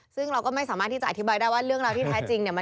ซึ่งเราก็ไม่สามารถที่จะอธิบายได้ว่าเรื่องราวที่แท้จริงเนี่ย